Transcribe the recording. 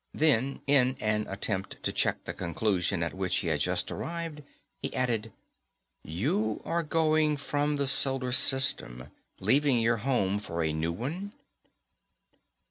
Then, in an attempt to check the conclusion at which he had just arrived, he added, "You are going from the Solar System leaving your home for a new one?"